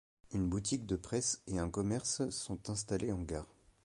Une boutique de presse et un commerce sont installés en gare.